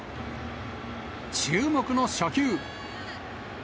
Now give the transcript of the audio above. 注目の初球。